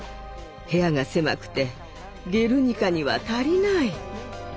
部屋が狭くて「ゲルニカ」には足りない。